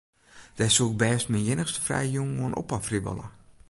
Dêr soe ik bêst myn iennichste frije jûn oan opofferje wolle.